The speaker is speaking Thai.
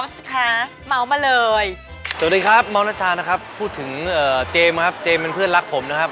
สวัสดีครับเมานชานะครับพูดถึงเจมส์ครับเจมสเป็นเพื่อนรักผมนะครับ